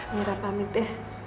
mirah pamit ya